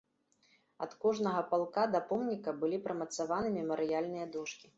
Ад кожнага палка да помніка былі прымацаваны мемарыяльныя дошкі.